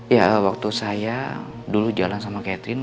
ya waktu saya dulu jalan sama catherine